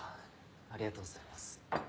ありがとうございます。